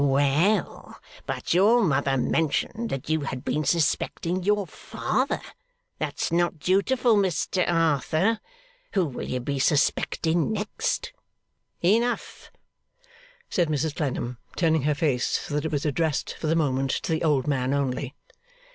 Well! But your mother mentioned that you had been suspecting your father. That's not dutiful, Mr Arthur. Who will you be suspecting next?' 'Enough,' said Mrs Clennam, turning her face so that it was addressed for the moment to the old man only.